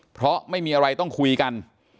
เพราะไม่มีอะไรต้องคุยกัน